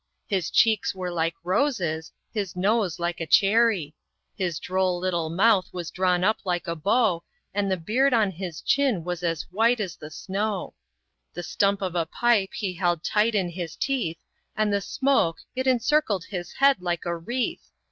His cheeks were like roses, his nose like a cherry; His droll little mouth was drawn up like a bow, And the beard on his chin was as white as the snow; The stump of a pipe he held tight in his teeth, And the smoke, it encircled his head like a wreath.